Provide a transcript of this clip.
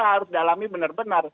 harus dalami benar benar